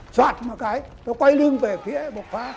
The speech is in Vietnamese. xoạt một cái tôi quay lưng về phía bột pha